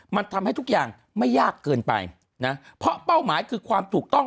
มันทำให้ทุกอย่างไม่ยากเกินไปนะเพราะเป้าหมายคือความถูกต้อง